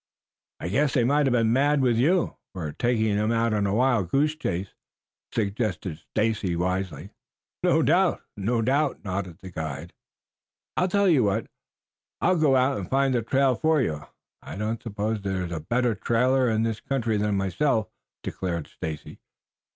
"I guess they must have been mad with you for taking them out on a wild goose chase," suggested Stacy wisely. "No doubt, no doubt," nodded the guide. "I'll tell you what, I'll go out and find the trail for you. I don't suppose there is a better trailer in the country than myself," declared Stacy.